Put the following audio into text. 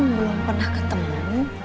em belum pernah ketemu